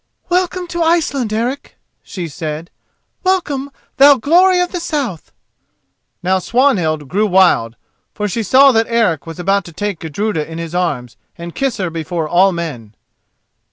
"Welcome to Iceland, Eric!" she said. "Welcome, thou glory of the south!" Now Swanhild grew wild, for she saw that Eric was about to take Gudruda in his arms and kiss her before all men.